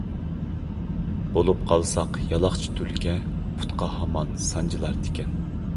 بولۇپ قالساق يالاقچى تۈلكە، پۇتقا ھامان سانجىلار تىكەن.